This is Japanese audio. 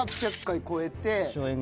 １，８００回越えて。